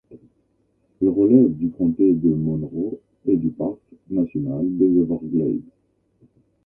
Elle relève du comté de Monroe et du parc national des Everglades.